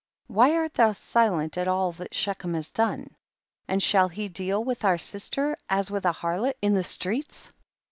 why art thou silent at all that Shechem has done ? and shall he deal with our sister as witii a harlot in the streets